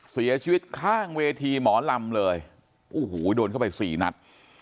เสียชีวิตข้างเวทีหมอลำเลยโอ้โหโดนเข้าไปสี่นัด